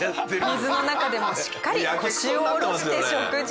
水の中でもしっかり腰を下ろして食事。